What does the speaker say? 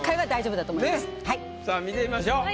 さあ見てみましょう。